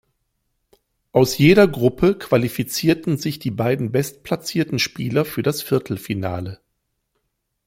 Aus jeder Gruppe qualifizierten sich die beiden bestplatzierten Spieler für das Viertelfinale.